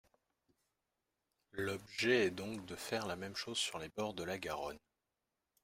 L’objet est donc de faire la même chose sur les bords de la Garonne.